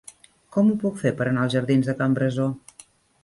Com ho puc fer per anar als jardins de Can Brasó?